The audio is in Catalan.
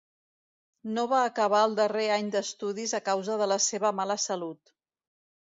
No va acabar el darrer any d'estudis a causa de la seva mala salut.